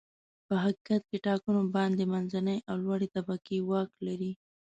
په حقیقت کې ټاکنو باندې منځنۍ او لوړې طبقې واک لري.